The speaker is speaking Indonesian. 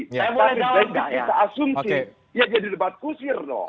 kita asumsi ya jadi debat kusir dong